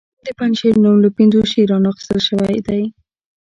د پنجشیر نوم له پنځو شیرانو اخیستل شوی